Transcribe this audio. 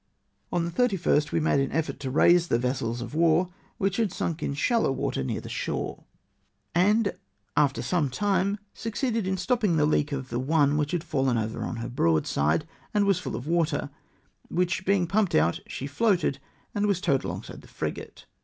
On the 31st we made an effort to raise the vessels of war wliich had sunk in shallow water near the shore, FRENCH OPERATIONS. 327 and after some time, succeeded in stopping the leak of the one which had fallen over on her broadside, and was full of water, which being pumped out she floated and was towed alongside the frigate.